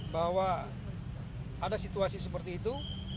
bahwa ada situasi seperti itu